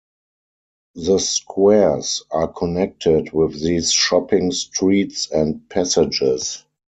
The squares are connected with these shopping streets and passages.